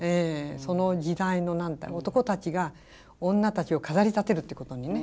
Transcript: その時代の男たちが女たちを飾りたてるってことにね。